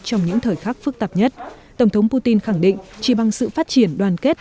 trong những thời khắc phức tạp nhất tổng thống putin khẳng định chỉ bằng sự phát triển đoàn kết